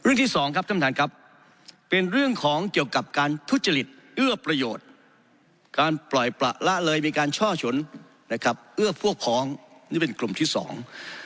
ที่สองครับท่านท่านครับเป็นเรื่องของเกี่ยวกับการทุจริตเอื้อประโยชน์การปล่อยประละเลยมีการช่อชนนะครับเอื้อพวกพ้องนี่เป็นกลุ่มที่สอง